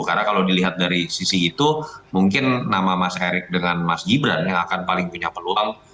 karena kalau dilihat dari sisi itu mungkin nama mas erick dengan mas gibran yang akan paling punya peluang